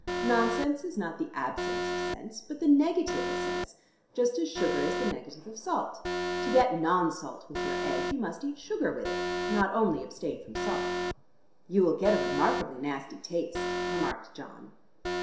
Nonsense is not the absence of sense, but the negative of sense, just as sugar is the negative of salt. To get non salt with your egg, you must eat sugar with it, not only abstain from salt." "You will get a remarkably nasty taste," remarked John.